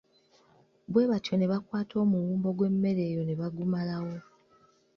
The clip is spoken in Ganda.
Bwe batyo ne bakwata omuwumbo gw’emmere eyo ne bagumalawo.